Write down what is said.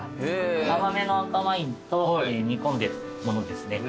甘めの赤ワインと煮込んでるものですね。